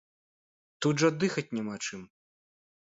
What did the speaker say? Тут жа дыхаць няма чым!